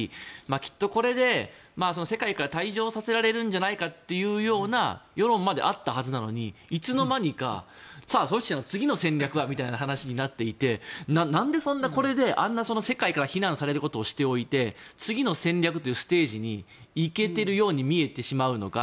きっとこれで世界から退場させられるんじゃないかという世論まであったはずなのにいつの間にか、その次の戦略はみたいな話になっていてなんでこれであんな世界から非難されることをしておいて次の戦略というステージに行けているように見えてしまうのか。